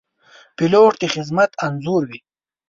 پیلوټ د خدمت انځور وي.